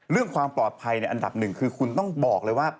เรื่องความปลอดภัยในอันดับหนึ่งคือคุณต้องบอกเลยว่า